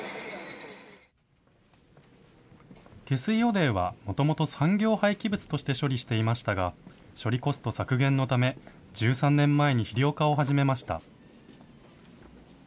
下水汚泥は、もともと産業廃棄物として処理していましたが、処理コスト削減のため、１３年前に肥料化を始めました。